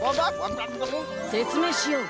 せつめいしよう！